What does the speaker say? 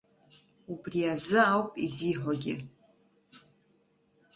Убри азы, ауп изиҳәогьы.